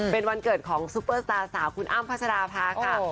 เป็นวันเกิดของซุปเปอร์สตาร์สาวคุณอ้ำพัชราภาค่ะ